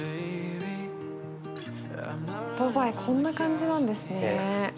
ドバイこんな感じなんですね。